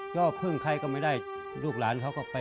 ย่อพอึ่งใครก็ไม่ได้